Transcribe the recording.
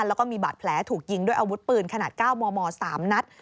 แล้วก็มีบาดแผลถูกยิงด้วยอาวุธปืนขนาด๙มม๓นัด